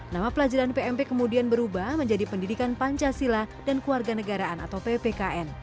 nama pelajaran pmp kemudian berubah menjadi pendidikan pancasila dan keluarga negaraan atau ppkm